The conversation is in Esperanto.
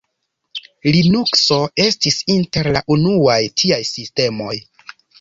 Linukso estis inter la unuaj tiaj sistemoj.